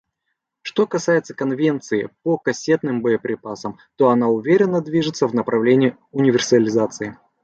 Что касается Конвенции по кассетным боеприпасам, то она уверенно движется в направлении универсализации.